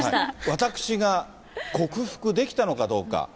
私が克服できたのかどうか。